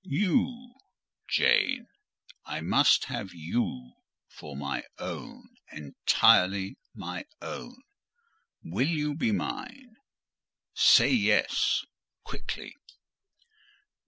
"You, Jane, I must have you for my own—entirely my own. Will you be mine? Say yes, quickly."